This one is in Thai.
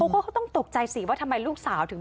เขาก็ต้องตกใจสิว่าทำไมลูกสาวถึง